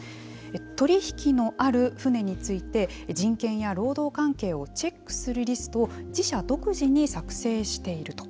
取り引きのある船について人権や労働関係をチェックするリストを自社独自に作成していると。